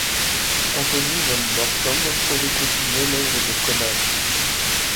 Anthonie van Borssom aurait continué l'œuvre de Koninck.